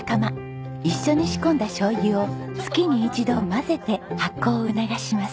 一緒に仕込んだしょうゆを月に一度混ぜて発酵を促します。